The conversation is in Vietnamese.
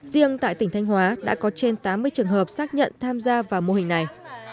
riêng tại tỉnh thanh hóa đã có trên tám mươi trường hợp xác nhận tham gia vào mô hình này